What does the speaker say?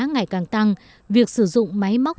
ngày càng tăng việc sử dụng máy móc